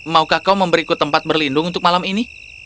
maukah kau memberiku tempat berlindung untuk malam ini